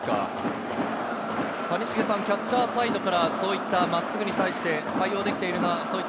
谷繁さん、キャッチャーサイドから真っすぐに対して対応できているな。